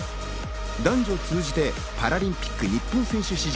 男女を通じてパラリンピック日本選手史上